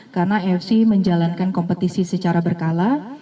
karena afc menjalankan kompetisi secara berkala